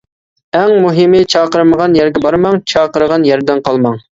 ئەڭ مۇھىمى چاقىرمىغان يەرگە بارماڭ، چاقىرغان يەردىن قالماڭ.